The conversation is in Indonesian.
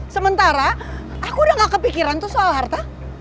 sementara aku udah gak kepikiran tuh soal harta